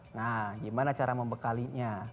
nah gimana cara membekalinya